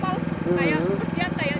kayak persiap kayak jalan